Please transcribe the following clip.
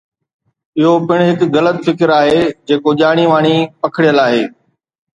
اهو پڻ هڪ غلط فڪر آهي جيڪو ڄاڻي واڻي پکڙيل آهي.